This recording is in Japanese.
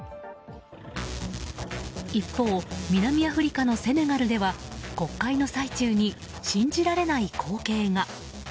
一方、南アフリカのセネガルでは国会の最中に信じられない光景が。